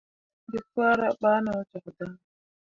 Geefahra ɓah no cok dan.